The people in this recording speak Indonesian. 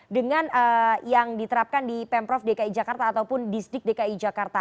dengan yang diterapkan di pemprov dki jakarta ataupun distrik dki jakarta